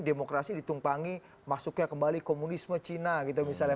demokrasi ditumpangi masuknya kembali komunisme cina gitu misalnya